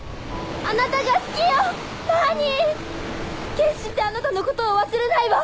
決してあなたのことを忘れないわ！